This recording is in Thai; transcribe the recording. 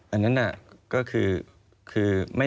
อันนั้นก็คือ